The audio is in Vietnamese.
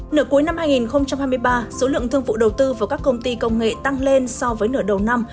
nửa cuối năm hai nghìn hai mươi ba số lượng thương vụ đầu tư vào các công ty công nghệ tăng lên so với nửa đầu năm